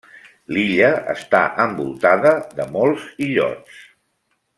L'illa està envoltada de molts illots.